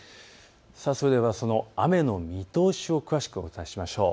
それでは雨の見通しを詳しくお伝えしましょう。